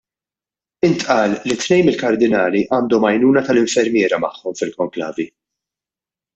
Intqal li tnejn mill-kardinali għandhom għajnuna tal-infermiera magħhom fil-konklavi.